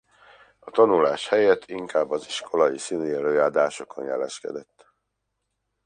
A tanulás helyett inkább az iskolai színielőadásokon jeleskedett.